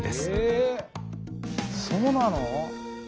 えそうなの？